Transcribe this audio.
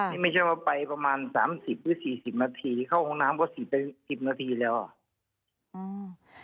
นี่ไม่ใช่ว่าไปประมาณสามสิบหรือสี่สิบนาทีเข้าห้องน้ำก็สี่ไปสิบนาทีแล้วอ่ะอืม